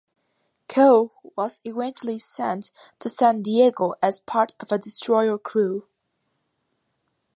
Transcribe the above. Keough was eventually sent to San Diego as part of a destroyer crew.